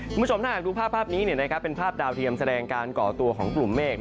คุณผู้ชมถ้าหากดูภาพนี้เป็นภาพดาวเทียมแสดงการก่อตัวของกลุ่มเมฆ